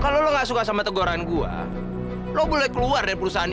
kalau lo gak suka sama teguran gue lo boleh keluar dari perusahaan ini